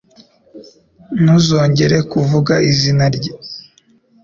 Ntuzongere kuvuga izina rye.